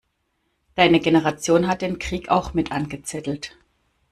Deine Generation hat den Krieg auch mit angezettelt!